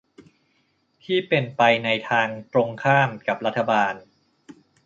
ที่เป็นไปในทางตรงข้ามกับรัฐบาล